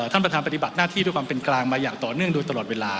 ท่านประธานปฏิบัติหน้าที่ด้วยความเป็นกลางมาอย่างต่อเนื่องโดยตลอดเวลา